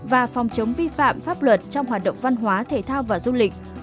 và phòng chống vi phạm pháp luật trong hoạt động văn hóa thể thao và du lịch